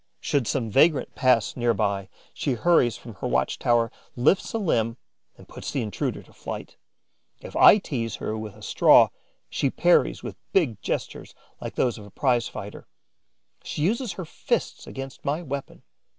Should some vagrant pass near by, she hurries from her watch tower, lifts a limb and puts the intruder to flight. If I tease her with a straw, she parries with big gestures, like those of a prize fighter. She uses her fists against my weapon.